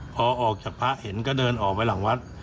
พอออกจากพระเห็นก็เดินออกไปหลังวัด